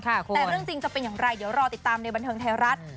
แต่เรื่องจริงจะเป็นอย่างไรเดี๋ยวรอติดตามในบันเทิงไทยรัฐ